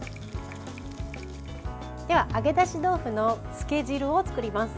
では、揚げ出し豆腐のつけ汁を作ります。